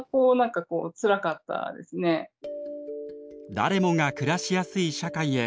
誰もが暮らしやすい社会へ。